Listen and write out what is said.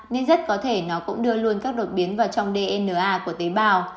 nên rất có thể nó cũng đưa luôn các đột biến vào trong dna của tế bào